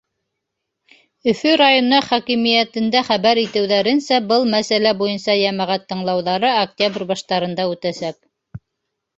Өфө районы хакимиәтендә хәбәр итеүҙәренсә, был мәсьәлә буйынса йәмәғәт тыңлауҙары октябрь баштарында үтәсәк.